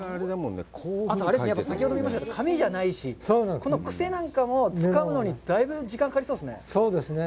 先ほども言いましたけど紙じゃないしこのくせなんかもつかむのにだいぶ時間がかかりそうですね。